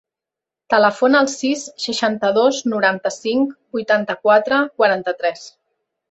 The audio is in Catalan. Telefona al sis, seixanta-dos, noranta-cinc, vuitanta-quatre, quaranta-tres.